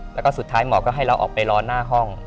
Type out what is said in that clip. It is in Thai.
แล้วก็สุดท้ายหมอก็ให้เราออกไปรอหน้าห้อง